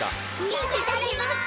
いただきます。